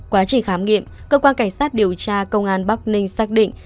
quá trình khám nghiệm cơ quan cảnh sát điều tra công an bắc ninh xác định